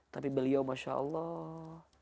tapi beliau masya allah